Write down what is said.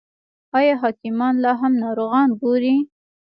آیا حکیمان لا هم ناروغان ګوري؟